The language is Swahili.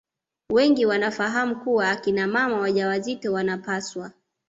wengi wanafahamu kuwa akina mama wajawazito wanapaswa